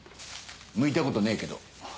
むいたことねえけど。